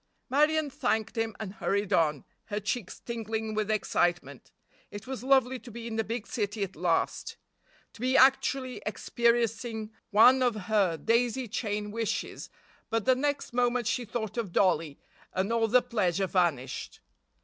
Marion thanked him and hurried on, her cheeks tingling with excitement. It was lovely to be in a big city at last. To be actually experiencing one of her daisy chain wishes, but the next moment she thought of Dollie, and all the pleasure vanished.